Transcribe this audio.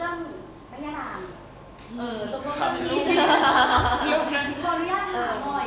และก็ดูแลในส่วนของเราได้ดี